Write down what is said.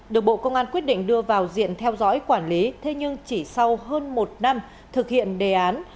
được bộ công an quyết định đưa vào diện theo dõi quản lý thế nhưng chỉ sau hơn một năm thực hiện đề án